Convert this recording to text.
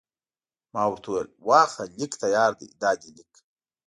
ما ورته وویل: واخله، لیک تیار دی، دا دی لیک.